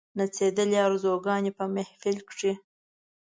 نڅېدلې آرزوګاني په محفل کښي